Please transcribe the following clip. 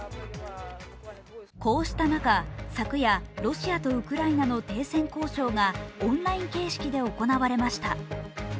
こうした中、昨夜ロシアとウクライナの停戦交渉がオンライン形式で行われました。